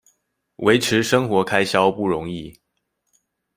維持生活開銷不容易